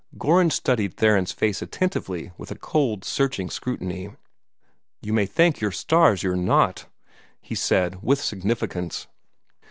Gorringe studied Theron's face attentively with a cold, searching scrutiny. "You may thank your stars you're not!" he said, with significance.